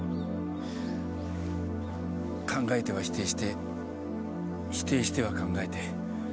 考えては否定して否定しては考えて。